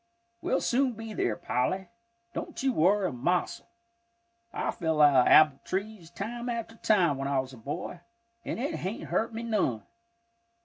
We'll soon be there, Polly, don't you worry a mossel. I fell out o' apple trees time after time when I was a boy, and it hain't hurt me none.